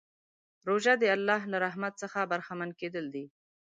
روژه د الله له رحمت څخه برخمن کېدل دي.